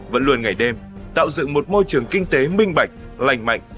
vẫn luôn ngày đêm tạo dựng một môi trường kinh tế minh bạch lành mạnh